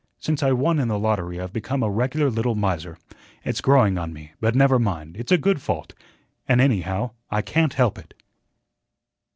"Since I won in the lottery I've become a regular little miser. It's growing on me, but never mind, it's a good fault, and, anyhow, I can't help it."